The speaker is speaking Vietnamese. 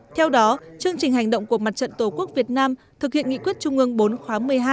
theo đó chương trình hành động của mặt trận tổ quốc việt nam thực hiện nghị quyết trung ương bốn khóa một mươi hai